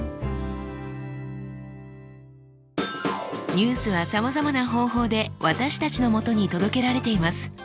ニュースはさまざまな方法で私たちのもとに届けられています。